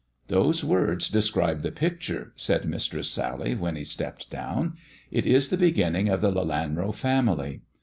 " Those words describe the picture," said Mistress Sally, when he stepped down, " it is the beginning of the Lelanro family.